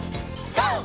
ＧＯ！